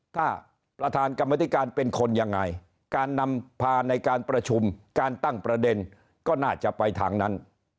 ถ้าประธานกรรมธิการเป็นคนยังไงการนำพาในการประชุมการตั้งประเด็นก็น่าจะไปทางนั้น